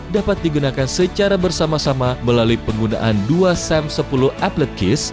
dapat digunakan secara bersama sama melalui penggunaan dua sam sepuluh atlet kis